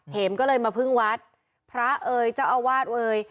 เหมก็เลยมาพึ่งวัดพระเอ๋ยเจ้าอาวาสเอ่ย